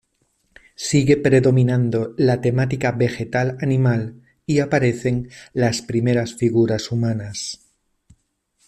Sigue predominando la temática vegetal-animal y aparecen las primeras figuras humanas.